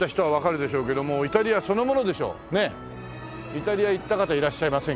イタリア行った方いらっしゃいませんか？